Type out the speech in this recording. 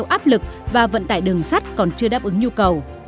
áp lực và vận tải đường sắt còn chưa đáp ứng nhu cầu